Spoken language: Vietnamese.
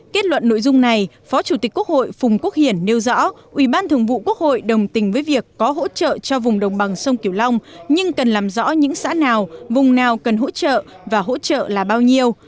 kết luận nội dung này phó chủ tịch quốc hội phùng quốc hiển nêu rõ ủy ban thường vụ quốc hội đồng tình với việc có hỗ trợ cho vùng đồng bằng sông kiểu long nhưng cần làm rõ những xã nào vùng nào cần hỗ trợ và hỗ trợ là bao nhiêu